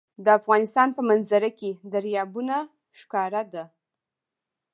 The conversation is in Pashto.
د افغانستان په منظره کې دریابونه ښکاره ده.